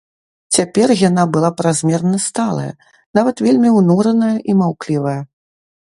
Цяпер яна была празмерна сталая, нават вельмі ўнураная і маўклівая.